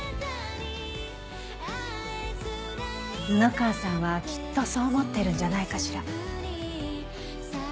布川さんはきっとそう思ってるんじゃないかしら。